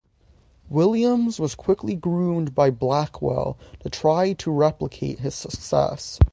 Williams was quickly groomed by Blackwell to try to replicate his success.